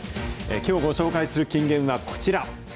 きょうご紹介する金言はこちら。